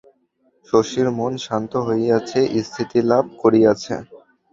শশীর মন শাস্ত হইয়াছে, স্থিতিলাভ করিয়াছে।